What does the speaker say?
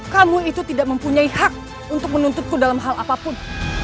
kamu itu tidak mempunyai hak untuk menuntutku dalam hal apapun